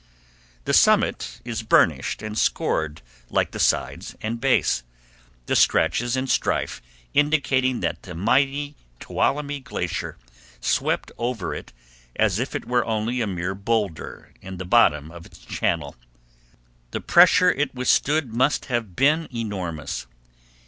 The summit is burnished and scored like the sides and base, the scratches and strife indicating that the mighty Tuolumne Glacier swept over it as if it were only a mere boulder in the bottom of its channel. The pressure it withstood must have been enormous.